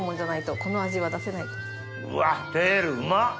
うわテールうまっ！